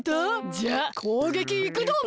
じゃあこうげきいくドン！